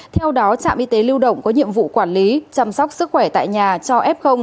theo đó trạm y tế lưu động có nhiệm vụ quản lý chăm sóc sức khỏe tại nhà cho f